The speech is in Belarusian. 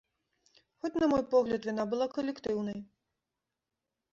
Хоць, на мой погляд, віна была калектыўнай.